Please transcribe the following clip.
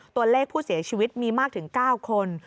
ตัวเลขผู้เสียชีวิตมีมากถึง๙คน